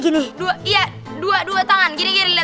iya dua tangan gini gini